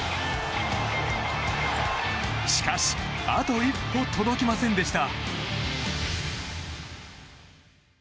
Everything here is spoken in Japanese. しかし、あと一歩届きませんでした。